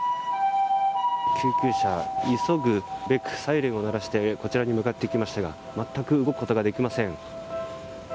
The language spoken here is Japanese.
救急車、急ぐべくサイレンを鳴らしてこちらに向かってきましたが全く動けません。